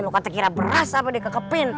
lu kata kira beras apa deh kekepin